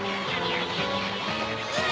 うわ！